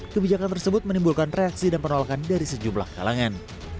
kebijakan tersebut menimbulkan reaksi dan penolakan dari sejumlah kalangan